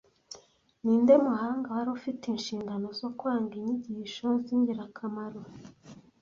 Ninde muhanga wari ufite inshingano zo kwanga inyigisho zingirakamaro